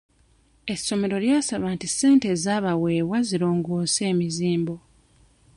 Essomero lyasaba nti ssente ezabaweebwa zirongoose emizimbo.